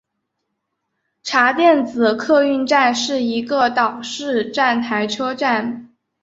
茶店子客运站是一个岛式站台车站。